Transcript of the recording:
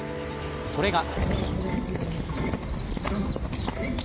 それが。